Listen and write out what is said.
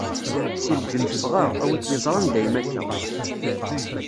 Si lǧennet ffɣeɣ, a wi k-yeẓran dayem akka!